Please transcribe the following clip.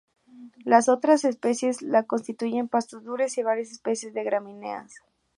Las otras especies la constituyen pastos duros y varias especies de gramíneas.